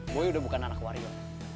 boy udah bukan anak wario